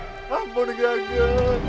alhamdulillah ki ageng